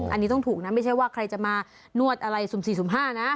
อันนี้ต้องถูกนะไม่ใช่ว่าใครจะมานวดอะไรสุ่ม๔สุ่ม๕นะ